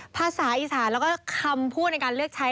ภาษาอีสานแล้วก็คำพูดในการเลือกใช้